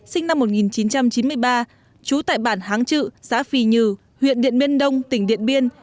sinh năm một nghìn chín trăm chín mươi ba trú tại bản háng trự xã phì nhừ huyện điện biên đông tỉnh điện biên